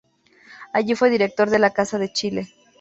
Allí fue director de la Casa de Chile.